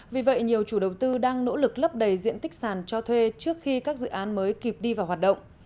vì vậy nhiều chủ đầu tư đang nỗ lực lấp đầy diện tích sàn cho thuê trước khi các dự án mới kịp đi vào hoạt động